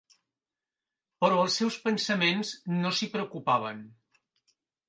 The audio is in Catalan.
Però els seus pensaments no s'hi preocupaven.